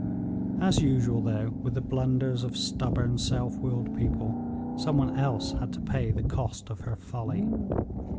As usual though, with the blunders of stubborn, self willed people, some one else had to pay the cost of her folly.